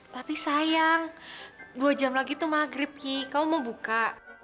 tapi sayang dua jam lagi tuh maghrib ki kamu mau buka